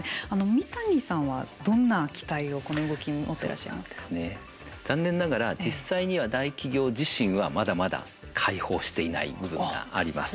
三谷さんはどんな期待をこの動きに残念ながら、実際には大企業自身は、まだまだ開放していない部分があります。